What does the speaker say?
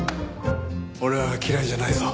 俺は嫌いじゃないぞ。